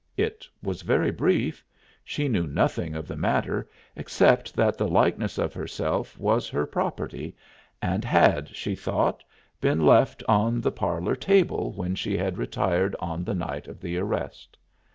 It was very brief: she knew nothing of the matter except that the likeness of herself was her property, and had, she thought, been left on the parlor table when she had retired on the night of the arrest.